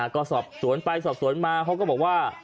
ก็สอบสวนไปสอบสวนมาเขาก็บอกว่า